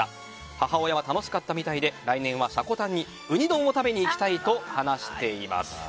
母親は楽しかったみたいで来年は積丹にウニ丼を食べに行きたいと話しています。